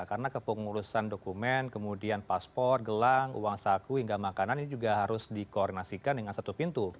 karena kepengurusan dokumen kemudian paspor gelang uang saku hingga makanan ini juga harus di koordinasikan dengan satu pintu